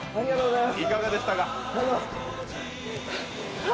いかがでしたか？